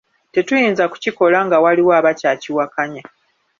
Tetuyinza kukikola nga waliwo abakyakiwakanya.